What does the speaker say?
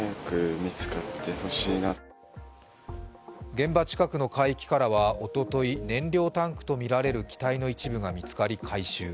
現場近くの海域からはおととい燃料タンクとみられる機体の一部が見つかり、回収。